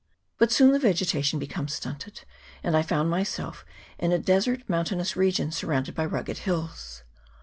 But soon the vegetation becomes stunted, and I found myself in a desert mountainous region, surrounded by rugged hills.